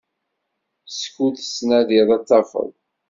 Skud tettnadiḍ ad tafeḍ.